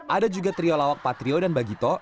ada juga trio lawak patrio dan bagito